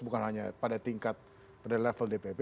bukan hanya pada tingkat pada level dpp